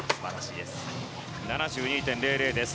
７２．００です。